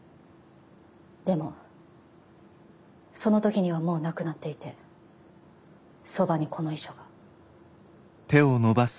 でもその時にはもう亡くなっていてそばにこの遺書が。